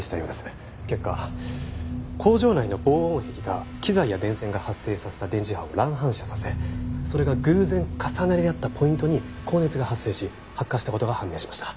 結果工場内の防音壁が機材や電線が発生させた電磁波を乱反射させそれが偶然重なり合ったポイントに高熱が発生し発火した事が判明しました。